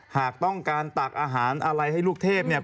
หากต้องการตักอาหารอะไรให้ลูกเทพเนี่ย